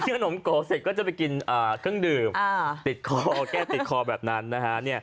ขนมโกเสร็จก็จะไปกินเครื่องดื่มติดคอแก้ติดคอแบบนั้นนะฮะ